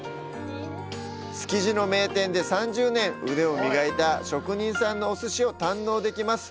築地の名店で、３０年、腕を磨いた職人さんのお鮨を堪能できます。